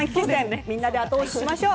みんなで後押ししましょう。